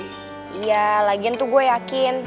iya lagian tuh gue yakin